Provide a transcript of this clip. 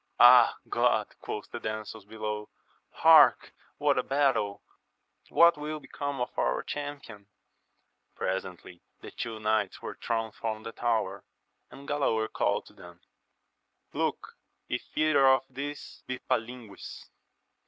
Ah God, quoth the damsels below, hark ! what a battle ! what will become of our cham pion ?— .presently the two knights were thrown from the tower, and Galaor called to them. Look if either of these be Palingues.